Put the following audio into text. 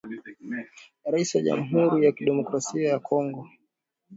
Raisi wa jamhuri ya kidemokrasia ya Kongo